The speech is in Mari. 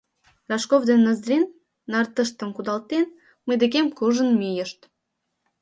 Рожков ден Ноздрин, нартыштым кудалтен, мый декем куржын мийышт.